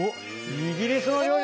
イギリスの料理。